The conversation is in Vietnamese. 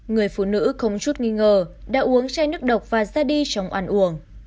người phụ nữ không chút nghi ngờ đã uống chai nước độc và ra đi trong oan uổng